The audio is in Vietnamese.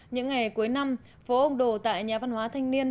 những ngày cuối năm phố ông đồ tại nhà văn hóa thanh niên